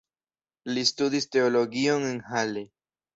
Li studis teologion en Halle.